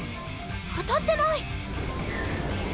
当たってない。